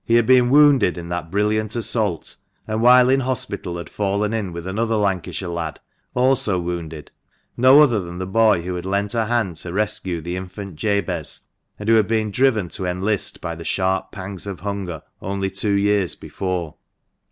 He had been wounded in that brilliant 126 THE MANCHESTER MAN. assault, and while in hospital had fallen in with another Lancashire lad, also wounded — no other than the boy who had lent a hand to rescue the infant Jabez, and who had been driven to enlist by the sharp pangs of hunger, only two years before.